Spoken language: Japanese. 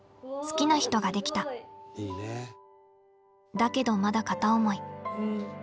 だけどまだ片思い。